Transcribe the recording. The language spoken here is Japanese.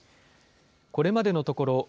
これまでのところ